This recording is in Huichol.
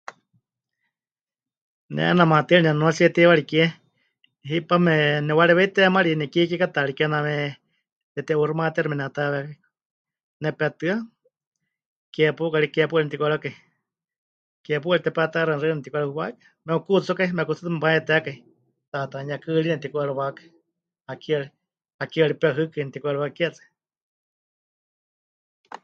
Ne 'eena maatɨari nemɨnuatsie teiwari kie hipame nepɨwarewei teemari nekie kiekátaari, kename tete'uuximayátayu menetehahɨawékaku. Nepetɨa, ke pauka ri, ke pauka ri nepɨtiku'eriwakai, ke pauka ri tepetá'axɨani xɨa netiku'eriwatɨ, waikɨ, mepɨkuutsúkai, mekuutsútɨ mepayetekai, tate'anuyekɨ ri nepɨtiku'eriwákai, hakeewa, hakeewa ri pehɨkɨ nepɨtiku'eriwákai, keewa tsɨ.